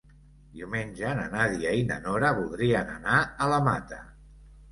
Diumenge na Nàdia i na Nora voldrien anar a la Mata.